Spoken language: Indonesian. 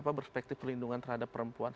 perspektif perlindungan terhadap perempuan